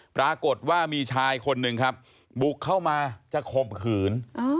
ปรากฏว่ามีชายคนหนึ่งครับบุกเข้ามาจะข่มขืน